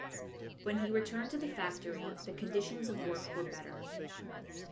When he returned to the factory the conditions of work were better.